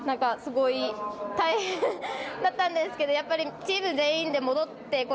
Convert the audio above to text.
すごい、大変だったんですけどチーム全員で戻って